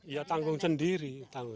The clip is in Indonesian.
ya tanggung sendiri